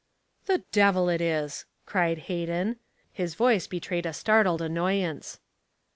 "The devil it is!" cried Hayden. His voice betrayed a startled annoyance.